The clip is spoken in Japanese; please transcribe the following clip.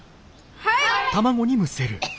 はい！